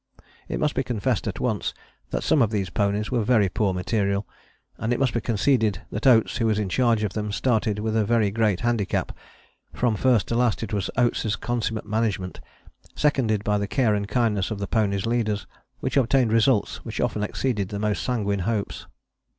It must be confessed at once that some of these ponies were very poor material, and it must be conceded that Oates who was in charge of them started with a very great handicap. From first to last it was Oates' consummate management, seconded by the care and kindness of the ponies' leaders, which obtained results which often exceeded the most sanguine hopes.